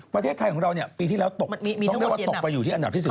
ประเทศไทยของเราปีที่แล้วตกต้องเรียกว่าตกไปอยู่ที่อันดับที่๒